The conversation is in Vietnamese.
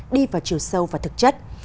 đi vào chiều sâu và thực chất